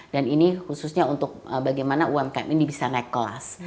dan ini khususnya untuk bagaimana umkm ini bisa naik kelas